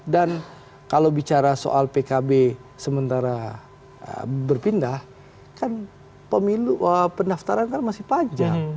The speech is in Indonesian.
dan kalau bicara soal pkb sementara berpindah kan pendaftaran kan masih panjang